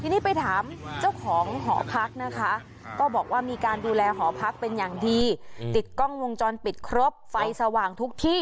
ทีนี้ไปถามเจ้าของหอพักนะคะก็บอกว่ามีการดูแลหอพักเป็นอย่างดีติดกล้องวงจรปิดครบไฟสว่างทุกที่